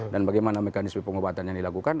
dan bagaimana mekanisme pengobatan yang dilakukan